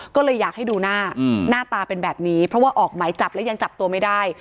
ก็เลยอยากให้ดูหน้าหน้าตาเป็นแบบนี้เพราะว่าออกหมายจับและยังจับตัวไม่ได้